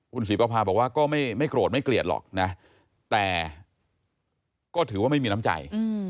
คุณศรีประพาบอกว่าก็ไม่โกรธไม่เกลียดหรอกนะแต่ก็ถือว่าไม่มีน้ำใจ